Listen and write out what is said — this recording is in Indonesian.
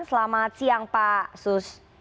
selamat siang pak sus